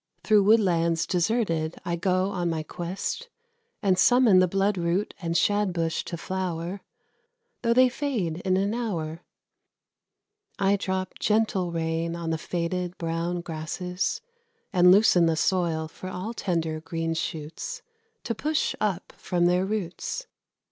Through woodlands deserted I go on my quest, And summon the blood root and shad bush to flower Though they fade in an hour. I drop gentle rain on the faded, brown grasses, And loosen the soil for all tender, green shoots, To push up from their roots.